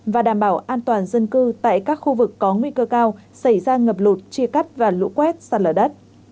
và đảm bảo an toàn dân cư tại các khu vực có nguy cơ cao xảy ra ngập lụt chia cắt và lũ quét sạt lở đất